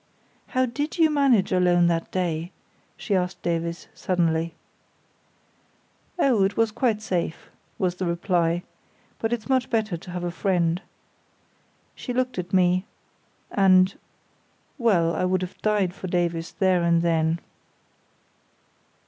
"How did you manage alone that day?" she asked Davies, suddenly. "Oh, it was quite safe," was the reply. "But it's much better to have a friend." She looked at me; and—well, I would have died for Davies there and then.